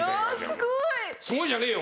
すごい！「すごい」じゃねえよ！